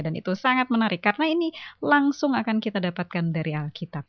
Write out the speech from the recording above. dan itu sangat menarik karena ini langsung akan kita dapatkan dari alkitab